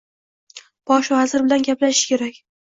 Bosh vazir bilan gaplashish kerak